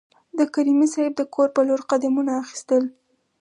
د کریمي صیب د کور په لور قدمونه اخیستل.